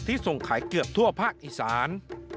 ส่งขายเกือบทั่วภาคอีสาน